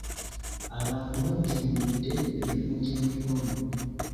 Abantu bajjumbidde emirimu gy’emikono.